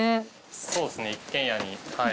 そうですね一軒家にはい。